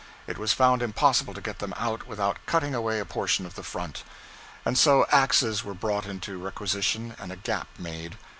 It was found impossible to get them out without cutting away a portion of the front; and so axes were brought into requisition and a gap made.